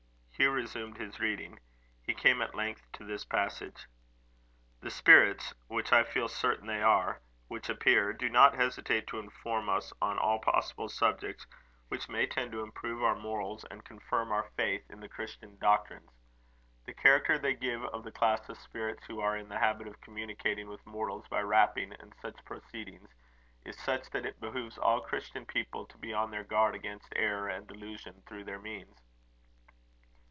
Hugh resumed his reading. He came at length to this passage: "The spirits which I feel certain they are which appear, do not hesitate to inform us on all possible subjects which may tend to improve our morals, and confirm our faith in the Christian doctrines... The character they give of the class of spirits who are in the habit of communicating with mortals by rapping and such proceedings, is such that it behoves all Christian people to be on their guard against error and delusion through their means."